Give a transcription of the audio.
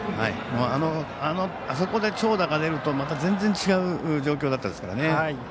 あそこで長打が出るとまた全然違う状況ですからね。